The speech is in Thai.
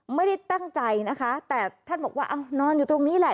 ไม่ได้ตั้งใจนะคะแต่ท่านบอกว่าเอานอนอยู่ตรงนี้แหละ